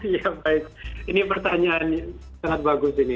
ya baik ini pertanyaan sangat bagus ini